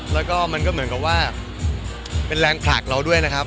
แล้วก็มันก็เหมือนกับว่าเป็นแรงผลักเราด้วยนะครับ